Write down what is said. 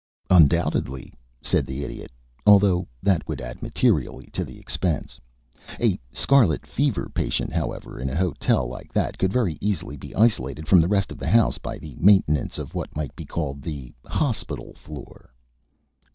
"Undoubtedly," said the Idiot. "Although that would add materially to the expense. A scarlet fever patient, however, in a hotel like that could very easily be isolated from the rest of the house by the maintenance of what might be called the hospital floor."